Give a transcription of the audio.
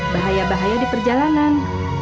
bahaya bahaya di perjalanan